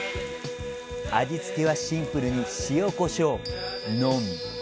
味付けはシンプルに塩、コショウのみ。